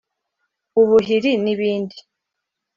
ubuhiri n’ibindi